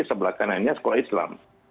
sebelah kanannya sekolah islam